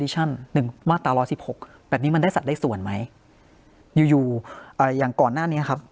หนึ่งมาตราร้อยสิบหกแบบนี้มันได้สัดได้ส่วนไหมอยู่อยู่อย่างก่อนหน้านี้ครับ